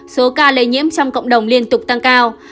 số ca lây nhiễm trong cộng đồng liên tục tăng cao